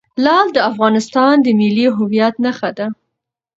لعل د افغانستان د ملي هویت نښه ده.